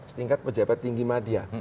setingkat pejabat tinggi madya